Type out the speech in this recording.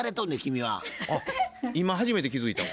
あっ今初めて気付いたわ。